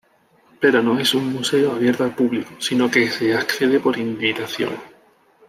Pero no es un museo abierto al público sino que se accede por invitación.